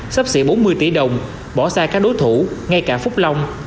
sắp xỉ bốn mươi tỷ đồng bỏ xa các đối thủ ngay cả phúc long